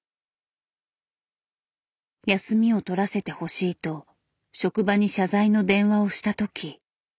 休みを取らせてほしいと職場に謝罪の電話をした時。